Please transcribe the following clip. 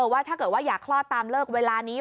หรือว่าถ้าอยากคลอดตามเลิกเวลานี้